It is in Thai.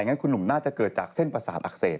งั้นคุณหนุ่มน่าจะเกิดจากเส้นประสาทอักเสบ